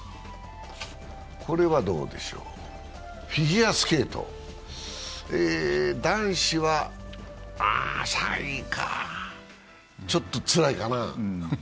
これはどうでしょう、フィギュアスケート、男子は、あー３位か、ちょっとつらいかな。